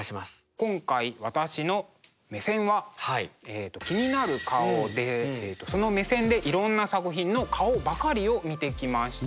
今回私の目線は「気になる顔」でその目線でいろんな作品の顔ばかりを見てきました。